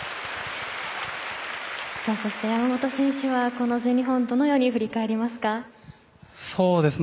そして山本選手は、全日本どのように振り返りますか？